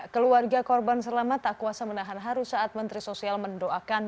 keluarga korban selamat tak kuasa menahan haru saat menteri sosial mendoakan